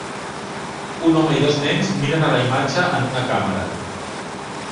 Un home i dos nens miren a la imatge en una càmera